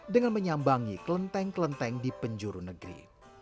dengan menyambangi kelenteng kelenteng di penjuru negeri